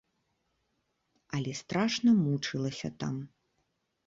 Але страшна мучылася там.